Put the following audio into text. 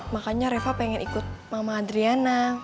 makanya reva pengen ikut mama adriana